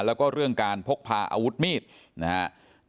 แล้วก็เรื่องการพกพาอาวุธมีดนะครับ